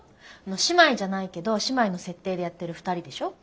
姉妹じゃないけど姉妹の設定でやってる２人でしょ。